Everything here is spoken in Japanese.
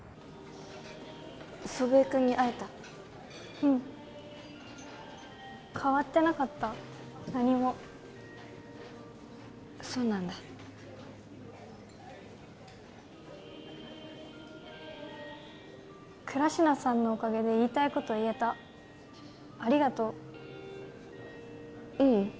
うん変わってなかった何もそうなんだ倉科さんのおかげで言いたいこと言えたありがとうううん